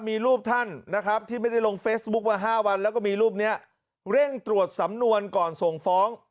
มีรูปท่านนะครับที่ไม่ได้ลงเฟซบุ๊คมา๕วันแล้วก็มีรูปนี้เร่งตรวจสำนวนก่อนส่งฟ้อง